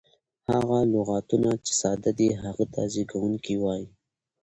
هغه لغتونه، چي ساده دي هغه ته زېږوونکی وایي.